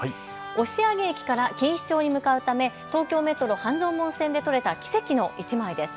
押上駅から錦糸町に向かうため東京メトロ半蔵門線で撮れた奇跡の１枚です。